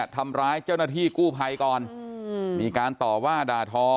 ทำร้ายเจ้าหน้าที่กู้ภัยก่อนมีการต่อว่าด่าทอ